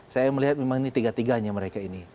saya melihat memang ini tiga tiganya mereka ini